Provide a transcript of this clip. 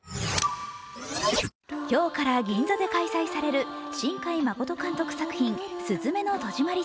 今日から銀座で開催される新海誠作品「すずめの戸締まり」